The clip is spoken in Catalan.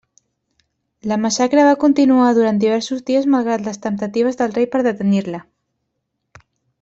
La massacre va continuar durant diversos dies malgrat les temptatives del rei per detenir-la.